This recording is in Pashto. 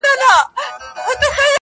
هر سړي به ویل ښه سو چي مردار سو؛